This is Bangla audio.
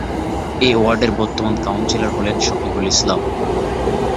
এ ওয়ার্ডের বর্তমান কাউন্সিলর হলেন শফিকুল ইসলাম।